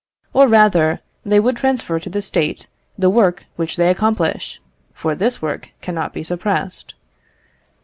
Or rather, they would transfer to the State the work which they accomplish, for this work cannot be suppressed.